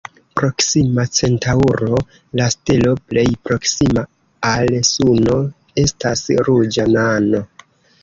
Proksima Centaŭro, la stelo plej proksima al Suno, estas ruĝa nano.